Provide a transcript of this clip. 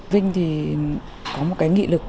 vinh thì có một cái nghị lực